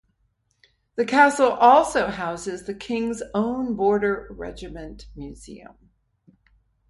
The Castle also houses The King's Own Border Regiment Museum.